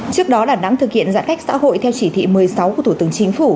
trước đó đà nẵng thực hiện giãn cách xã hội theo chỉ thị một mươi sáu của thủ tướng chính phủ